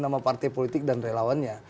nama partai politik dan relawannya